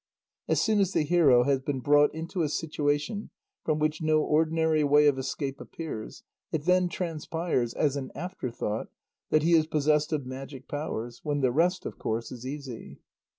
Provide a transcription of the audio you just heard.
As soon as the hero has been brought into a situation from which no ordinary way of escape appears, it then transpires as an afterthought that he is possessed of magic powers, when the rest, of course, is easy.